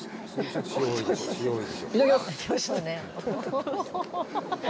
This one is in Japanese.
いただきます。